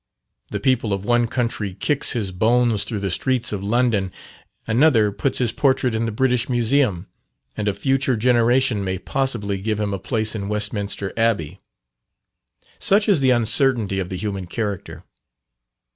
The people of one century kicks his bones through the streets of London, another puts his portrait in the British Museum, and a future generation may possibly give him a place in Westminster Abbey. Such is the uncertainty of the human character.